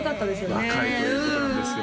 若いということなんですよ